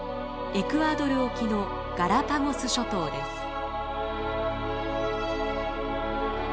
エクアドル沖のガラパゴス諸島です。